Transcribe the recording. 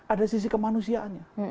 ada sisi kemanusiaannya